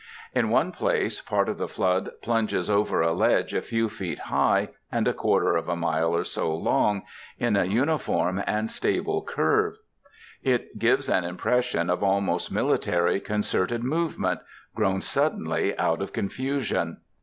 In one place part of the flood plunges over a ledge a few feet high and a quarter of a mile or so long, in a uniform and stable curve. It gives an impression of almost military concerted movement, grown suddenly out of confusion.